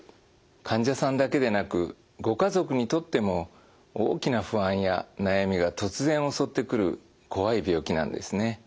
患者さんだけでなくご家族にとっても大きな不安や悩みが突然襲ってくる怖い病気なんですね。